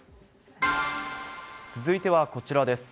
続いてはこちらです。